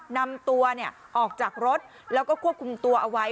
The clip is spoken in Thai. นำตัวออกจากรถแล้วก็ควบคุมตัวเอาไว้